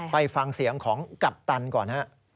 ไปฟังเสียงของกัปตันก่อนฮะ